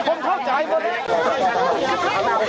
ขอบคุณครับขอบคุณครับ